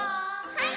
はい！